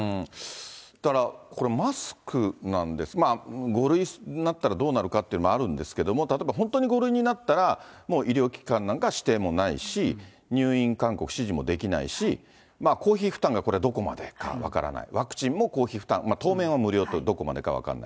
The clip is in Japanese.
だからこれ、マスクなんで、５類になったらどうなるかっていうのもあるんですけども、例えば本当に５類になったら、もう医療機関なんか指定もないし、入院勧告指示もできないし、公費負担がこれ、どこまでか分からない、ワクチンも公費負担、当面は無料と、どこまでか分からない。